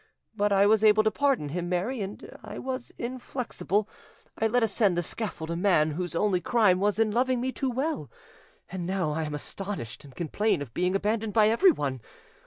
But I was able to pardon him, Mary, and I was inflexible; I let ascend the scaffold a man whose only crime was in loving me too well; and now I am astonished and complain of being abandoned by everyone.